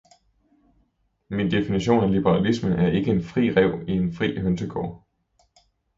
Min definition af liberalisme er ikke en fri ræv i en fri hønsegård.